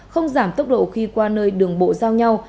không giảm tốc độ khi qua nơi đường bộ giao nhau